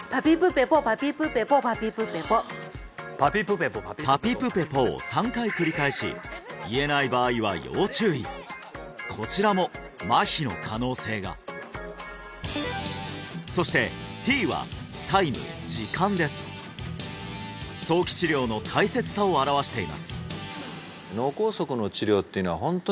ぺぽぱぴぷぺぽぱぴぷぺぽ「ぱぴぷぺぽ」を３回繰り返し言えない場合は要注意こちらも麻痺の可能性がそして「Ｔ」はタイム時間です早期治療の大切さを表しています